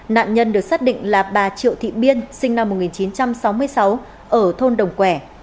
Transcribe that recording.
nạn nhân được xác định là bà triệu thị biên sinh năm một nghìn chín trăm sáu mươi sáu ở thôn đồng quẻ